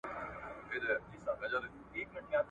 دا نېغ خط دئ.